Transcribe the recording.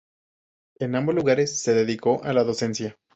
En ambos lugares se dedicó a la docencia.